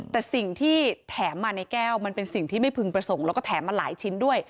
แต่สิ่งที่แถมมาในแก้วมันเป็นสิ่งที่ไม่พึงประสงค์แล้วก็แถมมาหลายชิ้นด้วย